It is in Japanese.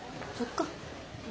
そっか。